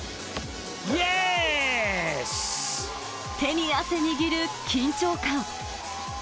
手に汗握る緊張感。